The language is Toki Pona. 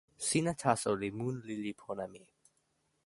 sina taso li mun lili pona mi.